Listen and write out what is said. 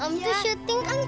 om tuh syuting kan keren